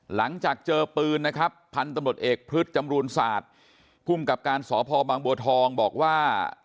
หลังจากเจอปืนนะครับพันธุ์ตำรวจเอกพฤษจำรูนศาสตร์ภูมิกับการสพบางบัวทองบอกว่า